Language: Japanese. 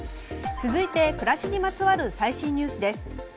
続いて暮らしにまつわる最新ニュースです。